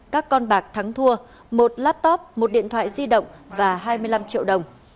các con bạc thắng thua một laptop một điện thoại di động và hai mươi năm triệu đồng